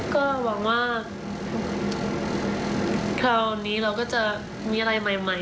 ก็หวังว่าคราวนี้เราก็จะมีอะไรใหม่